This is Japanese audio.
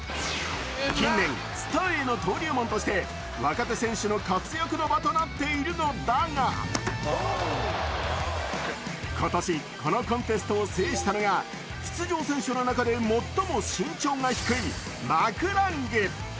近年スターへの登竜門として若手選手の活躍の場となっているのだが今年、このコンテストを制したのが出場選手の中で最も身長が低いマクラング。